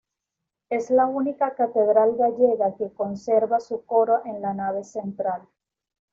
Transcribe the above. Es la única catedral gallega que conserva su coro en la nave central.